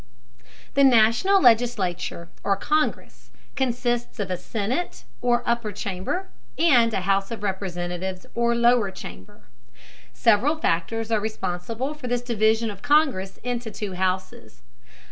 The National legislature, or Congress, consists of a Senate or upper chamber, and a House of Representatives or lower chamber. Several factors are responsible for this division of Congress into two houses.